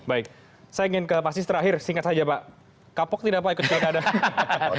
baik saya ingin ke pasis terakhir singkat saja pak kapok tidak pak ikut keadaan